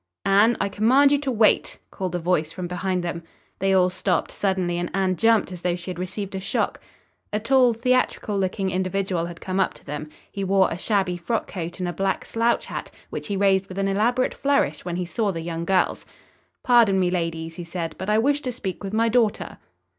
"Anne, I command you to wait!" called a voice from behind them. They all stopped suddenly and Anne jumped as though she had received a shock. A tall, theatrical looking individual had come up to them. He wore a shabby frock coat and a black slouch hat, which he raised with an elaborate flourish when he saw the young girls. "Pardon me, ladies," he said, "but I wish to speak with my daughter."